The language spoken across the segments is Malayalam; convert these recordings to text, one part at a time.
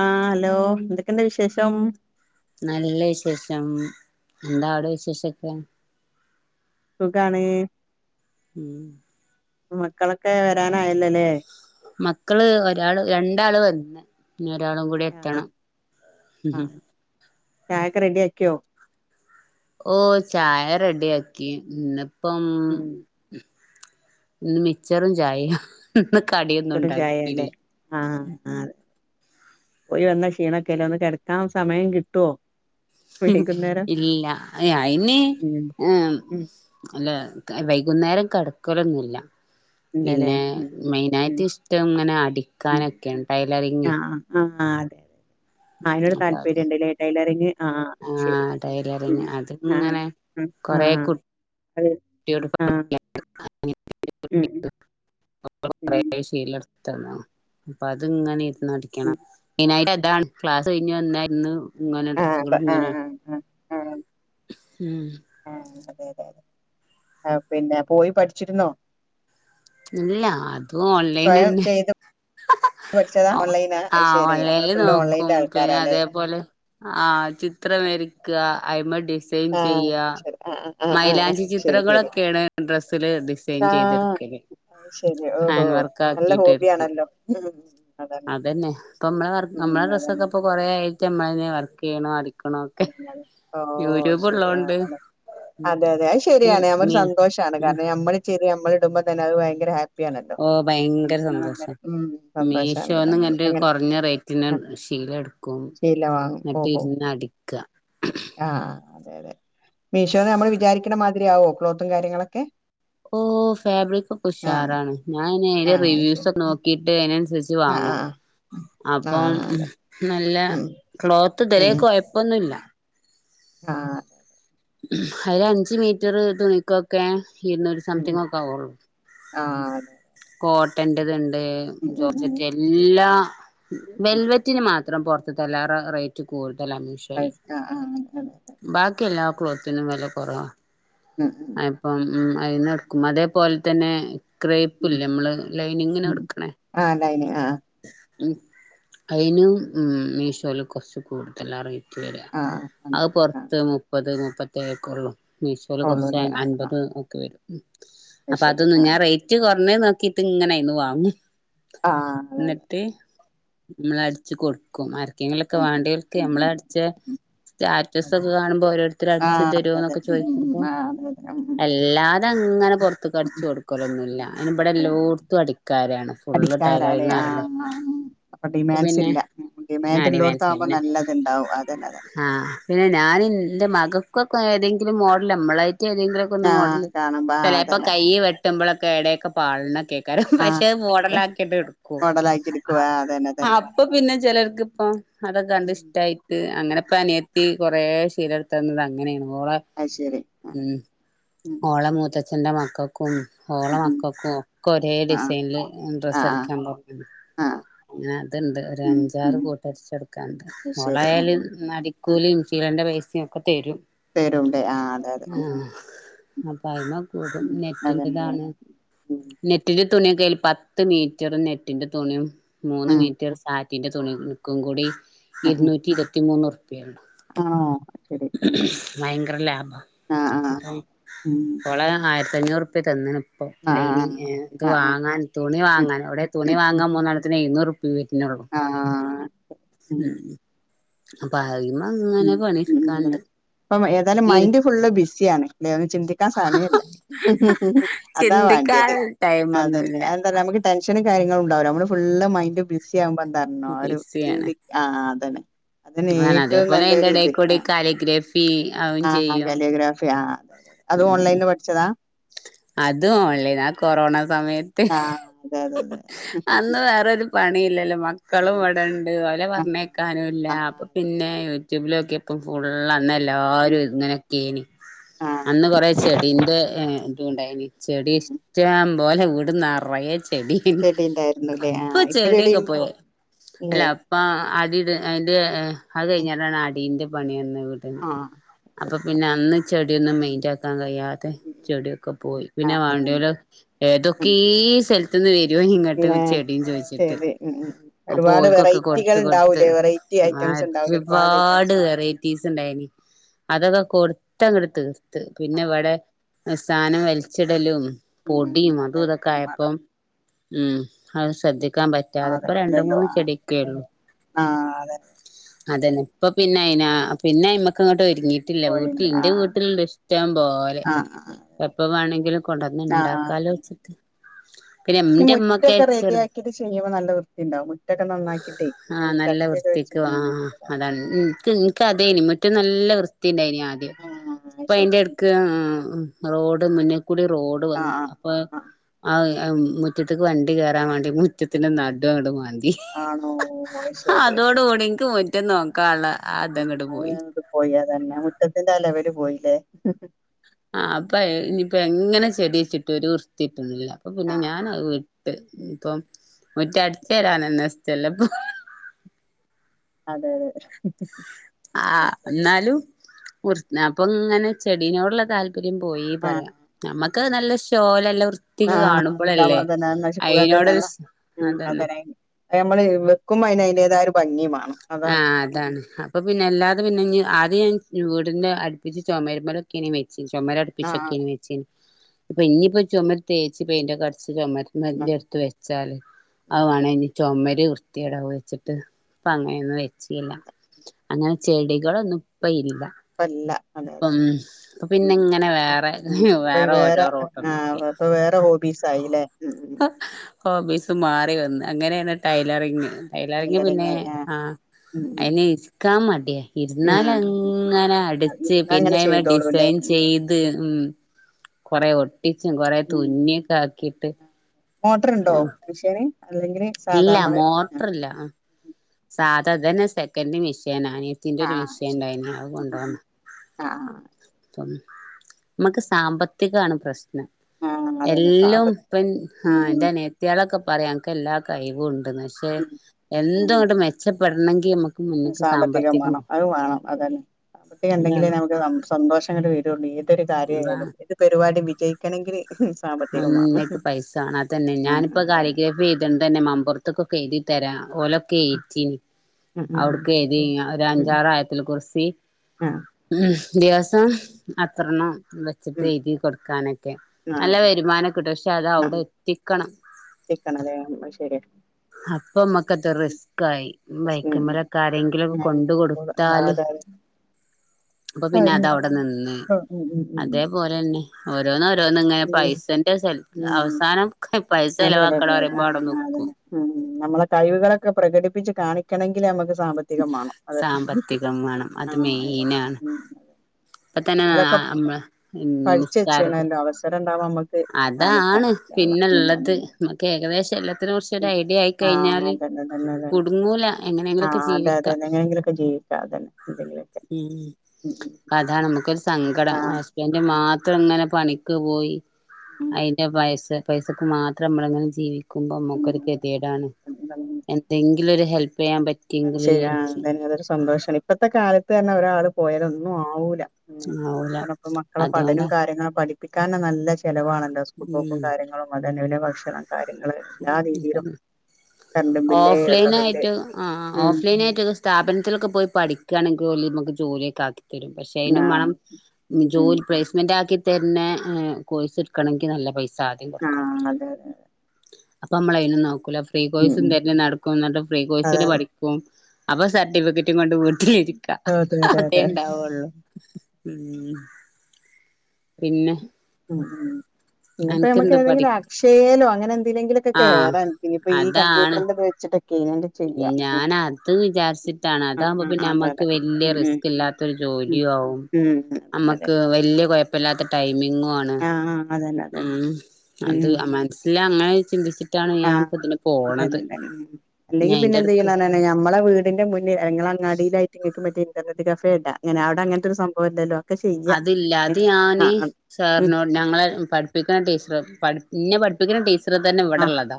ആഹ് ഹലോ എന്തൊക്കെണ്ട് വിശേഷം നല്ല വിശേഷം എന്താടോ വിശേഷൊക്കെ സുഖാണ് ഉം മക്കളൊക്കെ വരാനായല്ലല്ലേ മക്കള് ഒരാള് രണ്ടാള് വന്ന് ഇന ഒരാളും കൂടി എത്തണം ഉ ചക്ക റെഡി ആക്കിയോ ഓ ചായ റെഡി ആാക്കി ഇന്നപ്പം ഉം ഇന്ന് മിച്ചറും ചായ ഇ കടിയൊന്നും ചുടും ചായല്ലേ ഉണ്ടാക്കിയില്ല ആഹ് അതെ പോയി വന്ന ക്ഷീണൊക്കെല്ല ഒന്ന് കിടക്കാൻ സമയം കിട്ടുവോ വൈകുന്നേരം ഇല്ല അ അയിന് ഉം ഉം അല്ലൈ മകുന്നേരം കിടക്കലൊന്നുമില്ല ഇല്ലല്ലേ പിന്നെ ഉം ഉം മെയിനായിട്ട് ഇഷ്ടം ഇങ്ങനെ അടിക്കാനൊക്കെയ ടൈലറിങ് ആ അതെ അതെതെ ആയിനോട് അപ്പൊ അത് താല്പര്യംുണ്ടല്ലേ ടൈലറിങ് ആ ശരി ഉ ടൈലറിങ് അത് ആ ഇങ്ങനെ കൊറെ ആഹ് കു അത ആഹ ഉം നയ ശല്ല അപ്പൊ അത്ങ്ങനെ ഇരുന്ന് അടിക്കണം ഉം മെയിനായിട്ട് അതാണ് ക്ലാസ്സ് കഴിഞ്ഞ് വന്നായിരുന്നു ഇങ്ങനെ ആഹ് ഡ്രസ്സുകളും ഇങ്ങനെയ ആഹ് ആഹ് ഉം അത ആ പിന്നെ പോയി പഠിച്ചിരുന്നോ ഇല്ല അതും ഓൺലൈൻ സ്വയം തന്നെ ചെയ്ത് പഠിച്ചതാ ഓൺലൈനാ അത് ആ ശരി നമ്മള് ഓൺലൈനിില് ഫുള്ള് നോക്കും ഓൺലൈന്റെ പിന്നെ ആൾക്കാരാല്ലേ അതേപോലെ ആഹ ചിത്രം വരരിക്കുക അഐ്മടിി ഡിസൈൻ ആഹ് ചെയ്യ ശരി ആ ആ ആ ആ ആ മൈലാഞ്ചി ശരി ശരി ചിത്രങ്ങളൊക്കെയാണ് ഡ്രസ്സില് ഡിസൈൻ ചെയ്തെടുക്കേ അ ശരി ഓഹോ നല്ല എടുക്കും ഹോബിയാണല്ലോ അതന്നെ ഇപ്പൊ നമ്മളെ വക്ക് ഉം നമ്മളെ അതന്നെ ഡ്രസ്സൊക്കെ ഇപ്പ കൊറേ ആയിട്ട് നമ്മള വർക്ക് ചെയ്യണട ഓ ഉള്ളോണ്ട് ശരിയാങ്ങെ അതെ അതെ അത് ശരിയാണ് നഞമ്മ ഒരു മീ സന്തോഷമാണ് ഉം കാരണം നമ്മെ ചെരി നമ്മള ഇടുമ്പോൾ തന്നെ അത് ഭയങ്കര ഹാപ്പി ആണല്ലോ ഓ ഭയങ്കര മനസ്സിന് നല്ലൊരു സന്തോഷം ഉം സന്തോഷാണ് അതന്നെ നമുക്ക് മീഷോന്ന്ങ്ങ അങ്ങനെ കുറഞ്ഞ റേറ്റിന് ആ കയിലടുക്കും എന്നിട്ട് ഇരുന്ന് അടിക്കുക ആഹ അതെ അതെ മീഷോന്ന് നമ്മൾ വിചാരിക്കണ മാതിരിയാവോ ക്ലോത്തും കാര്യങ്ങളൊക്കെ ഓ ഫാബ്രിക്ക ഒക്കെ ആഹ് ഉഷാറാണ് ഞാൻ അതിറെ ആഹ് അത് ശരി റിവ്യൂസ് ഒെ ഉം നോക്കിട്ട് അനുസ ങ്ങ ആഹ് അപ്പ ആഹ് നല്ല ഉം ക്ലോത്ത് തിിലക്ക് കുഴപ്പൊന്നുമല്ല ആഹ അര അഞ്ച് മീറ്റർ തുണിക്കൊക്കെ ഇരുന്നൂരു സംതിങ് ഒക്കെ ആവുള്ളു ആ അതെ കോട്ടറത്ണ്ട് ഉം ഉം ഉം ജോർച്ചറ്റ് എല്ലാ ഉം ഉം വെൽവറ്റിന് മാത്രംറ റേറ്റ് കൂടുതൽ മഷൽ അത് ശ ആഹ് ആഹ് അങ്ങനെ അതെ ബാക്കിയല്ല ക്ലോത്തിന് വില കുറവ ഉം ഉം ഇപ്പം ഉ അക്കും അതേപോലെ തന്നെ ക്രേ ല്ല ഉം നമ്മള് ലൈനി ഇങ്ങനെ ഉം എടുക്കണേ ആഹ് ലൈനിങ് ആഹ് ഉ അതിനന് മീഷോയിൽ കുറച്ച് കൂടുതൽ അറിയ ആഹ് അത് അങ്ങനെ ആഹ് പുൊറത്ത് മുപ്പത് മുപ്പത്തേഏഴക്ക ഉള്ളൂ മീഷോൽ കുറച്ച കൊള്ളൂല്ലേ ആഹ് അൻപത് ആഹ് ഒക്കെ വരും അത് അപ്പൊ ശരി അതൊന്ന ഞാൻ ആഹ് റേറ്റ് അേ നോക്കിട്ട് ഇങ്ങനൊയിന്ന് വാങ്ങും ആഹ് എന്നിട്ട് നമ്മള അടിച്ചു കൊടുക്കും ആരക്കെങ്കിലൊക്കെ അതെ അതെ ഉം വാണ്ടികൾക്ക് ഉം നമ്മള ഉം ഉം അട സ്റ്റാറ്റസ് അതെ ഒക്കെ കാണുമ്പോ ഓരോരുത്തും അടിച്ചു ആഹ് തരുമോ അതെ അതെ എന്നൊക്കെ ഉം ഉം ചോദിച്ചപ്പോോ ഉം ആഹ് അതെ അതെ ഉം ഉം അല്ലാതെ അങ്ങനെ ഉം പൊർത്ത്ക്കടിച്ചു ഉം കൊടുക്കലൊന്നുല്ലാ ഞാൻ ഇബടെ ആഹ് എല്ലോട്ത്തും അടിക്കാരാണ് ഫുള്ള് അടിക്കാരാല്ലേ ടൈലറിങ്ങറിണെ ആഹ് ആഹ് അപ്പൊ ഡിമാൻഡ്സ് പിന്നെ ഇല്ല ഡിമാൻഡ് ഉള്ളോടത്താവുമ്പോ [unintelligible] നല്ലത്ണ്ടാവും അതന്നെ അതന്നെ ആഹ പിന്നെ ഞാന് ൻ്റെ മകൾക്കൊക്കെ ഏതെങ്കിലും മോഡല് നമ്മളായിട്ട് ച്ചേതെങ്കിലൊക്കെ ഒന്ന് ആഹ് മോടല് കാണുമ്പോ ആഹ് ചെലേപ്പൊ അതന്നെ കൈ അതന്നെ വെട്ടുമ്പോഴൊക്കെ ഇടേക്കൊക്കെ പാളി ക്കാരം പക്ഷേ അത് മോടലാക്കിട്ട് എടുക്കും മോഡലാക്കി ച്ച്ട്ക്കും ആ അതെ അതന്നെ അപ്പൊ പിന്നെ ചെലർക്ക് ഇപ്പ അതൊക്കെ കണ്ട് ഉം ഇഷ്ടായിട്ട് അങ്ങനെപ്പ ആഹ് അനിയത്തി കൊറേ ശീലട്ത്തന്നത് അങ്ങനെയാണ് ഓളെ അത് ശരി ആഹ് ഉം ഉം ഓളെ മൂത്തച്ച ച്ഛൻ്റെ മക്കക്കും ഹോള ഉം ഉം മക്കക്കും ഒക്കെ ഒരേ ആഹ് ഡിസൈനില് ഡ്രസ്സ് ആഹ് അടിക്കാൻ പർഞ്ഞിന്ന് ആഹ് ആഹ് അങ്ങനെ അത്ണ്ട് ഉം ഒരഞ്ചാറ് ഉം കൂട്ടരിച്ചെടുക്കാണ്ട് അത് ശരി ആഹ് മോളായാലും അടിക്കൂലിം ശീ ലന്റെ പൈസിം ഒക്കെതെരും തെരുംണ്ട് ആഹ് അതെ അതെ ഉം ഉം അപ്പൊ അതിനൊക്കെ കൂടും അതന്നെ അതന്നെ നെറ്റിൻ്റെതാണ് ഉം നെറ്റില് തുണിക്കായാൽ പത്ത് മീറ്റർ നെറ്റിന്റെ തുണിം മൂന്ന് ഉം മീറ്ററ് സാറ്റ് റ്റിൻ്റെ തുണിക്കും കൂടി ഇരുന്നൂറ്റി ഇരുപത്തി മൂന്ന് ഉർപ്പിയൊള്ളൂ ആഹ് ഭയങ്കര ലാഭാ ആഹ് ആഹ് ഇപ്പം ഉം ഓളെ ആയ്ര ത്തഞ്ഞൂർപ്പ്യ തന്നീനു അപ്പോ ആഹ് ലൈനിംഗ് ആഹ് ഏ ഇത് ആഹ് ആഹ് വാങ്ങാൻ തുണി ഉം വാങ്ങാൻ ഇവിടെ തുണി ഉം ഉം വാങ്ങാൻ മൂന്നണ്ണത്തിന് എയ്ന്നൂറു പിയേ വര്നൊള്ളൂ ആഹ് ഉം അപ്പ അയ്മ്മ ഉം ങ്ങനെ പണി ഉം ഇപ്പം ഏതാലും മൈൻഡ് ഫുള്ള് ബിസിയാണ് [unintelligible] ചിന്തിക്കാൻ സമയില്ലാ അതാ ചിന്തിക്കാൻ വാണ്ടിയത് അതന്നെ ടൈമൊന്നുല്ല അതെന്താ അറിയോ നമ്മക്ക് ടെൻഷന് കാര്യങ്ങളും ഉണ്ടാവൂല്ല ഇമ്മള് ഫുളള് മൈൻഡ് ബിസി ആവുമ്പോ എന്താർഞ്ഞു ആ ഒരു ബിസിയാണ് ചിന്തി ആഹ് അതന്നെ അതന്നെ ആണ് ഏറ്റവും അതേപോലെ അയിൻ്റെ എടേക്കൂടെ ഈ കാലിഗ്രഫി അതും ആഹ് ചെയ്യും കാലിയോഗ്രാഫി ആഹ് അതെ അതെ അതും ഉം ഓൺലൈൻന്ന് പഠിച്ചതാ? അതും ഓൺലൈനാ ആ കൊറോണ സമയത്ത് ആ അതെ അതെ അതെ അന്ന് വേറൊരു പണി ഇല്ലല്ലോ മക്കളും ഉം ഇവിടെണ്ട് ഓലെ ആ പറഞ്ഞയക്കാനൂല്ല ആ ആഹ് അപ്പ അതെ പിന്നെ അതെ യൂട്യൂബിലോക്കിയപ് ക്കും ഫുള്ള് അന്ന് ഉം എല്ലാരും ഇങ്ങനക്കെയേനി ആ അന്ന് കൊറേ ചെടിന്റെ ഏഹ് ഇതും ഇണ്ടായിനി ചെടി ഉം ഉം ഇഷ്ട്ടം പോലെ വീടുനറയേ ചെടിയേനി ചെടി ഉണ്ടായിരുന്നുല്ലേ ആ ഇപ്പൊ ചെടി ചെടിയൊക്കെ ഉണ്ടോ പോയേ അല്ല ഇല്ലേ അപ്പൊ അടിട് അയിന്റെ ഏഹ് അത് ഉം കഴിഞ്ഞാണ് അടീന്റെ പണി വന്ന് വീട്ടിന് ആ അപ്പൊ പിന്നെ അന്ന് ചെടിയൊന്നും മെയിൻ്റ് ആക്കാൻ കഴിയാ ഉം ഉം ചെടിയൊക്കെ പോയി ആ പിന്നെ അതന്നെ വേണ്ടിയോല് ഉം ഏതൊക്കെയെ സ്ഥലത്ത് ന്ന് വെര് രും ഇങ്ങട്ട് പിന്നെ ചെടീം ചോയ്ച്ചിട്ട് ശരി ഉം ഉം അപ്പോ ഒരുപാട് ഓൽക്കൊക്കെ വെറൈറ്റികൾ കൊടുത്ത് കൊടുത്ത് ഉണ്ടാവൂലേ വെറൈറ്റി ആ ഐറ്റംസ് ഉണ്ടാവൂലേ ഐറ്റംസ് ഒരുപാട് ഉണ്ടാവും വെറൈറ്റീസ് ഇണ്ടായി നി അതൊക്കെ കൊടുത്തങ്ങട്തീർത്ത് ഉം പിന്നെ ആഹ് ഇവടെ സാനം വലിച്ചിടലും ഉം പൊടിയും ഉം അതെ അതും അതെ ഇതൊക്കെ ഉം അതെ ആയപ്പം ഉം അത് ശ്രദ്ധിക്കാൻ പറ്റാതെ രണ്ട് അതല്ലല്ലോ മൂന്ന് ആഹ് ചെടിക്കെള്ളു ആഹ് അതെ അതന്നെ ഇപ്പ പിന്നെ അയിനാ പിന്നെ അയ്മക്ക് അങ്ങട്ട് ഒ ഒരുങ്ങീട്ടില്ല വീട്ടിൽ കോഴിണ്ട് ന്റെ ആഹ് വീട്ടില്ണ്ട് ഇഷ്ടം പോലെ ആഹ് ആഹ് എപ്പ വേണങ്കിലും കൊണ്ടന്ന് ആഹ് ഇണ്ടാക്കാലോച്ചിട്ട് പിന്നെ ഈ ൻ്റെ ഉമ്മക്കെ മുറ്റൊക്കെ റെഡി ചെറു ആക്കിട്ട് ചെയ്യുമ്പോ നല്ല വൃത്തിണ്ടാവും മുറ്റൊക്കെ നന്നാക്കിട്ടേ പിന്നെ ആഹ് ഈ നല്ല ചട്ടിയൊക്കെ വെച്ച് വൃത്തിക്കും ഉം ആഹ് ആഹ് അതാണ് ഇ ഇൻക്ക് ക്ക് അതേനിം മുറ്റം നല്ല വൃത്തി ഇണ്ടായിന് ആദ്യം ആഹ് അത് ഇപ്പ ശരി അയിന്റെ എടക്ക് എഹ് റോഡ് മുന്നിക്കൂടി റോഡ് ആഹ് വന്നു ആഹ് അപ്പൊ ആഹ് അഹ് എഹ് മുറ്റത്തിക്ക് വണ്ടി കേറാൻ വേണ്ടി മുറ്റത്തിന്റെ നടു അങ്ങട് മാന്തി. ആണോ അത് ശരി അതോട് കൂടി ഇൻക്ക് മു ആഹ് [unintelligible] പോയി അത്കാരണം മുറ്റത്തിന്റെ ആ ലെവല് പോയിലേ ആഹ് അപ്പൊ എഹ് ഇനിയിപ്പോ എങ്ങനെ ചെടി വെച്ചിട്ടും ഒരു വൃത്തി കിട്ട്ണില്ല അപ്പ പിന്നെ ആഹ് ഞാനത് വിട്ട് ഇപ്പൊ മുറ്റം അടിച്ച് വാരാനെന്നെ ഇഷ്ടല്ലപ്പം അതെ അതെ അത് ആഹ് ശരി എന്നാലും കുർ നപ്പിങ്ങനെ ചെടീനോടുള്ള താല്പര്യം പോയി പറയാ ആഹ് നമ്മ ക്ക് നല്ല ഷോലല്ല വൃത്തിക്ക് ആഹ് അതുണ്ടാവും കാണുമ്പളല്ലേ അതന്നെ അത് നശിക്കുക അതന്നെ അയിനോടൊരു എന്നാ ഉം അതന്നെ അതരായി നമ്മള് വെക്കുമ്പോ അയ്ന് അയിന്റേതായ ഒരു ഭംഗി വേണം അതാണ് ആഹ് ഉം അതാണ് അപ്പൊ പിന്നെ എല്ലാ അത് പിന്നെ ആദ്യം വീടിൻ്റെ അടുപ്പിച്ച് ചൊമരുമ്മലൊക്കെയിങ്ങനെ വെച്ച് ആഹ് ചൊമരടുപ്പിച്ചൊക്കെയിങ്ങനെ വെച്ച് ഇപ്പ ഇനിയിപ്പ ചൊമര് തേച്ച് പെയ്ന്റക്കെ അടിച്ച് ചൊമര് ആഹ് [unintelligible] അടുത്ത് വെച്ചാല് അത് ഉം വേണേഞ്ഞി ചൊമര് വൃത്തിയേടാവും വെച്ചിട്ട് അപ്പ ഉം അങ്ങനെ ഒന്നും വെച്ചീല്ല അതെ അങ്ങനെ ചെടികളൊന്നും ഇപ്പ ഇല്ല ഇപ്പല്ല അതെ അതെ പം അതെ ഇപ്പം ഉം പിന്നെങ്ങനെ വേറെ വേറെ ഓരോ റോട്ടം നോക്കി അപ്പ വേറെ ഹോബീസ് ആയില്ലേ ഇഹ് ഇം ഹോബീസ് മാറി വന്ന് അങ്ങനെയാണ് ടൈലറിങ് ടൈലറിങ് പിന്നേ ആയി ആഹ് അഹ് ഉം അതിനിരിക്കാ മടിയാ ഉം ആഹ് ഇരുന്നാലങ്ങനെ അടിച്ച് ഇരുന്നാ അങ്ങനെ പിന്നെ അതിമ്മെ ചെയ്തോളൂല്ലേ ഡിസൈൻ ഉം ചെയ്ത് ഇം കൊറേ ഒട്ടിച്ചും കൊറെ തുന്നിയൊക്കെ ആക്കീട്ട് മോട്ടറിണ്ടോ മെഷീന് അല്ലെങ്കിൽ ഇല്ല സാധാമ്മള് ആഹ് മോട്ടറില്ല സാധാ അതന്നെ സെക്കൻ്റ് മിഷ് ഷ്യനാ അനിയത്തിൻ്റെ ആഹ് ഒരു ആഹ് മിഷ്യൻ ഇണ്ടായിനി അത് കൊണ്ടോന്നാ ആഹ് അപ്പം നമ്മക്ക് സാമ്പത്തികാണ് പ്രശ് നം ആഹ് അതന്നെ സാമ്പ എല്ലോം ഇപ്പം ആഹ് ഉം ഇൻ്റെ അനിയത്തിയോളൊക്കെ പറയും അനക്ക് എല്ലാ കഴിവും ഉണ്ട് ണ്ട്ന്ന് പക്ഷെ ഉം എന്തു ആണ്. അങ്ങട്ട് മെച്ചപ്പെടണെങ്കി നമ്മക്ക് സാമ്പത്തികം വേണം അത് വേണം അതന്നെ സാമ്പത്തികം ഇണ്ടങ്കിലേ അതാണ് നമുക്ക് നമ് സന്തോഷം ഇങ്ങട് വരുള്ളൂ ഏതൊരു കാര്യായാലും അതാണ് ഏത് പരിപാടി വിജയിക്കണെങ്കില് സാമ്പത്തികം വേണം മുന്നക്ക് പൈസ വേണം അതന്നെ ആഹ് ഞാനിപ്പ അതന്നെ കാലിഗ്രാഫി എഴുതണതന്നെ മംമ്പുറ മ്പുറത്തൊക്കെ എഴുതി തരാം ഓലൊക്കെ ഏറ്റീനി ഉം ഉം അവിടക്ക് എഴുതി ഉം ഉം ഒരഞ്ചാറായത്തില് കുറ്സി ആഹ് ഉം ഒര് ദിവസം അത്രണ്ണം വെച്ചിട്ട് ഉം എഴുതി കൊടുക്കാനൊക്കെ നല്ല ആഹ് വരുമാനം കിട്ടും പക്ഷേ പക്ഷെ അത് അവിടെ ആഹ് എത്തിക്കണം എത്തിക്കണല്ലേ അത് ശരിയാ അപ്പൊമ്മക്കതൊരു റിസ്ക് ആയി ഉം ബൈക്കുമ്മലൊക്കെ ഉം ആരെങ്കിലുമൊക്കെ കൊണ്ട് ആഹ് കൊടുത്താല് അതെ അതെ അപ്പൊ പിന്നെ അതെ അതെ അതവിടെ നിന്ന് ആഹ് ഉം ഉം ഉം അതേപോലെന്നെ ഓരോന്നോരോ ണ് ഇങ്ങനെ ഉം പൈസന്റെ സൽ ഉം അവസാനം പൈസ അതെ അതെ അതെ ചെലവാക്കണം അതെ പറയുമ്പോ അവിടെ ആഹ് നിക്കും അതന്നെ ഉം നമ്മളെ കഴിവുകളൊക്കെ പ്രകടിപ്പിച്ച് കാണിക്കണങ്കില് നമ്മക്ക് സാമ്പത്തികം മാണം അതെ സാമ്പത്തികം വേണം അത് ആഹ് അതെ മെയിനാണ് ഉം അതെ ഇപ്പ തന്നെ ന്നാലൊക്കെ നമ്മള് പഠിച്ച് നിസ്കാരക്കും വെച്ച്ണല്ലോ അവസരം ഇണ്ടാവാ അതാണ് പിന്നെള്ളത് അതന്നെ നമ്മക്ക് ഏകദേശ എല്ല ത്തിനെ കുറിച്ച് ഒരു ഉം ഐഡിയ ആയി ആഹ് കഴിഞ്ഞാല് അതന്നെ അതന്നെ അതന്നെ കുടുങ്ങൂല എങ്ങനെങ്കിലൊക്കെ ആഹ് അതെ അതെ ജീവിക്കാ അതെ എങ്ങനെങ്കിലൊക്കെ അതന്നെ എന്തെങ്കിലൊക്കെ ഉം ഉം ഉം അതാണ് ഇമ്മക്ക് ഒരു സ് സങ്കടം ആഹ് ഹസ്ബൻഡ് ആഹ് മാത്രം ഇങ്ങനെ പണിക്ക് പോയി ഉം അതിന്റെ പൈസ പൈസക്ക് മാത്രം നമ്മളിങ്ങനെ ജീവിക്കുമ്പോ ഉം നമ്മുക്കൊരു അതന്നെ ഗതികേടാണ് അതന്നെ എന്തെങ്കിലും ഒരു ഹെല്പ് അത് ശരിയാ ആ അതെന്നെ അതൊരു സന്തോഷാണ്. ഇപ്പത്തെ കാലത്ത് തന്നെ ഒരാള് പോയാല് ഒന്നും ആവൂല. ആവൂല അയിക്കുടപ്പ മക്കളെ പഠനവും അതുകൊണ്ടാ കാര്യങ്ങളും പഠിപ്പിക്കാനന്നെ നല്ല [unintelligible] ചെലവാണല്ലോ സ്കൂൾ പോക്കും ഉം കാര്യങ്ങളും അതന്നെ ഓലെ ഭക്ഷണം കാര്യങ്ങള് എല്ലാ രീതിയിലും കറണ്ടും ബില്ല് വെള്ള ഓഫലൈൻ ബില്ല് ആയിട്ട് ആ ഉം ഓഫലൈനായിട്ടൊക്കെ സ്ഥാപനത്തിലൊക്കെ പോയി പഠിക്കാണെങ്കിൽ ഓലമമക്ക് ജോലിയൊക്കെ ആക്കി [unintelligible] തരും പക്ഷെ അതിനും മാണം ആഹ് ഉം. ജോലി പ്ലേസ്മെന്റ് ആക്കി തരുന്ന കോയ്സ് [unintelligible] ആക്കണെങ്കി നല്ല പൈസ ആഹ അതെതെ അതെ അപ്പമ്മളെയ്നും നോക്കൂ, ഫ്രീ ഉം കോഴ്സും ഉം തെരഞ്ഞ് നടക്കും ന്നിട്ട് ഫ്രീ അതെ കോഴ്സിന് അതെ. പഠിക്കും അപ്പൊ സർട്ടിഫിക്കറ്റും കൊണ്ട് വീട്ടിലിരിക്ക.. അതെ ഉണ്ടാവുള്ളു. ഉം പിന്നെ ഉ ഉ പിന്നപ്പ നമക്ക് അനക്കെന്ത് പഠി ഏതെങ്കിലും അക്ഷയേലോ അങ്ങനെ എന്തെ ഇതിങ്കിലെക്കെ ആ കേറാൻ ഇനിപ്പം ഈ അതാണ് കമ്പ്യൂട്ടറിന്റെ ഇത് വെച്ചിട്ടെക്കെ ഞാൻ അത് വിചാരിച്ചിട്ടാണ് ആഹ് അതാകുമ്പോ ആഹ് പിന്നെ അതെ നമ്മക്ക് അതെ വല്യാ ഉം റിസ്ക് ഇല്ലാത്തൊരു ഉം ജോലിയോ ഒ ഉം ഉം അതന്നെ നമ്മക്ക് അതന്നെ വെല്യ കെയപ്പയില്ലാത്ത ടൈംമിങ്ങ് ണ് ആഹ് ആഹ് അതന്നെ അതന്നെ ഉം അത് ഉം മനസിലങ്ങനെ ചിന്തിച്ചിട്ടാണ് ഞാന്പ്പതിന് അതന്നെതെന്നെ ഉം അല്ലെങ്കി എടക്ക് പിന്നെന്ത്യ്യണാണ് ഞമ്മളെ വീടിന്റെ മുന്നി ഞങ്ങള് അങ്ങാടിയിലായിട്ട് [unintelligible] മറ്റേ ഇന്റർനെറ്റ് കഫേടാ അങ്ങനെ അവിടെ അങ്ങനത്തൊരു സംഭവലല്ലോ അതില്ല അത് ഞാന് ഉം സാറ്നോട് ഞങ്ങളെ പഠിപ്പിക്ക്ണ ടീച്ചർ പഠി ഇന്നെ പഠിപ്പിക്ക്ണ ടീച്ചറ് തന്നെ ആഹ് ഇവടെള്ളതാ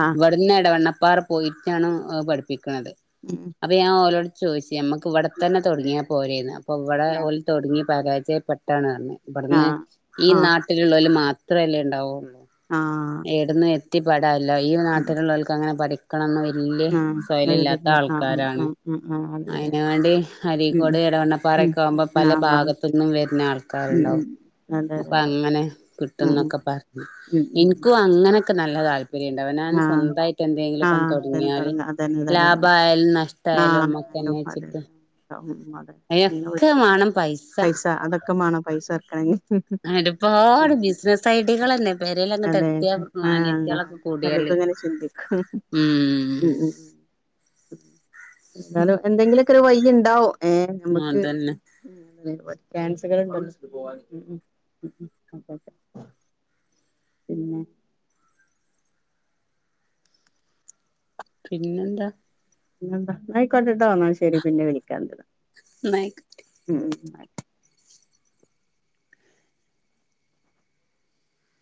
ആഹ് ഇവിട്ന്ന് എടവണ്ണ ഇപ്പാറെ പോയിറ്റാണ് പഠിപ്പിക്ക്ണത് ഉം അപ്പ ഞാൻ ഓലോട് ചോയിച്ച് ഞമ്മക്ക് ഇവടെത്തന്നെ തൊടങ്ങിയാപോരേന്ന് അപ്പൊ ഇവടെ ഓല് തൊടങ്ങി പരാജയ പെട്ടാണറ്ഞ്ഞ് ഇബട്ന്ന് ആഹ് ഈ ആഹ് നാട്ടില്ള്ളൊല് മാത്രല്ലേ ഇണ്ടാവൊള്ളൂ ആഹ് ഏട്ന്ന് എത്തി പെടാലോ ഈ ഉം നാട്ടിലുള്ളവൾക്ക് അങ്ങനെ പഠിക്കണംമെന്ന് ഇ വല്യ ആഹ് സ്വയില ഇല്ലാത്ത അതില്ല ആഹ് ഉം ആൾക്കാരാണ് ഉം ഉം ആഹ് അതെ അതെ അയിന് അതെ വേണ്ടി ഉം അരീക്കോട് എടവണ്ണപ്പാ ഉം ഉം പറെക്ക ആകുമ്പം പല ആഹ് വന്ന് ബാഗത്തു നിന്നും വെരുന്ന ആൾക്കാര് ഉം ഉം ഉണ്ടാവും അതെ അതെ അപ്പൊ അതെ അങ്ങനെ ഉം ഉം കിട്ടുന്നൊക്കെ പറഞ്ഞു ഉം ഉം ഉം ഇനിക്കും അങ്ങയൊക്കെ നല്ല താല് താല്പര്യയിണ്ടാവനാണ് ഞാൻ ആഹ് സ്വന്തായായിട്ട് എന്തെങ്കിലും ഒക്കെ ആഹ് അതന്നെ തൊടങ്ങിയാല് തുടങ്ങ അതന്നെ അതന്നെ അതന്നെ ലാബയാലും നഷ്ടയാലും മ്മക്ക് കന്നെച്ചിത്ത ഉ അതെ പൈസ അതൊക്കെ മാണോ പൈസ എറക്കണമെങ്കിൽ അയിന്റെ ഓപാട് ബിസിനസ്സ് ഐഡിയകൾ തന്നെ പെരേൽങ്ങ് അതെ എത്തിയ ആഹ് അനിയത്തികളൊക്കെ പലതും കൂടിയള്ളി ഇങ്ങനെ ചിന്തിക്കും ഉം എന്താലും എന്തെങ്കിലുക്കെ ഒരു വയി ഇണ്ടാവ് ഏ നമക്കെ അതന്നെ ക്യൻസകൾ ഉണ്ടല്ലോ [inaudible] പിന്നെ പിന്നെന്താ പിന്നെന്താ നയി കൊണ്ടിട്ട് തോന്നാൽ ശരി പിന്നെ വിളിക്കാം ന്നായിക്കോട്ടെ [inaudible]